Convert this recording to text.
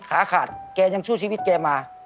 ขาขาดแกยังสู้ชีวิตแกมา